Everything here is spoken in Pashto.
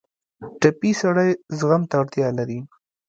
ټپي سړی زغم ته اړتیا لري.